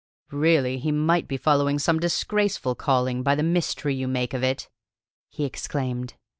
"Really, he might be following some disgraceful calling, by the mystery you make of it!" he exclaimed.